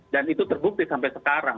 dan itu terbukti sampai sekarang